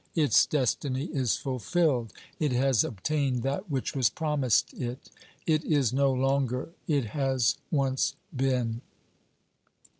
Its destiny is fulfilled ; it has obtained that which was promised it ; it is no longer ; it has once been.